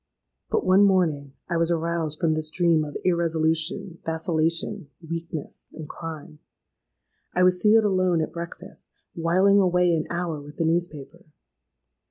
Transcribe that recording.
"But one morning I was aroused from this dream of irresolution—vacillation—weakness—and crime. I was seated alone at breakfast, whiling away an hour with the newspaper.